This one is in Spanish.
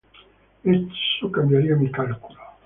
Eso cambiaría mi cálculo.